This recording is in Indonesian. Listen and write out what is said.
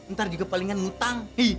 ntar juga palingan mutang